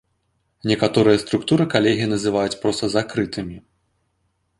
Некаторыя структуры калегі называць проста закрытымі.